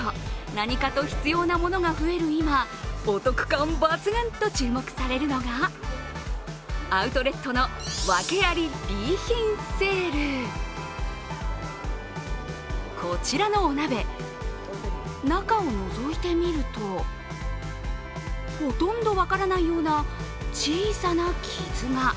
何かと必要なものが増える今、お得感抜群と注目されるのがアウトレットのワケありＢ品セールこちらのお鍋、中をのぞいてみるとほとんど分からないような小さな傷が。